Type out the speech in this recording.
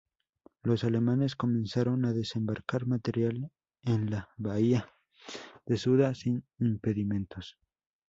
Los alemanes comenzaron a desembarcar material en la bahía de Suda sin impedimentos.